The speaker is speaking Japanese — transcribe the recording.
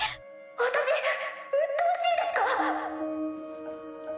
私うっとうしいですか？